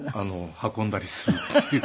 運んだりするっていう。